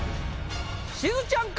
しずちゃんか？